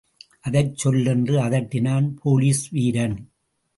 அதைச் சொல் என்று அதட்டினான் போலீஸ் வீரன்.